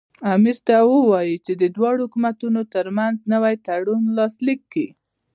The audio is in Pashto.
امیر ته ووایي چې د دواړو حکومتونو ترمنځ نوی تړون لاسلیک کړي.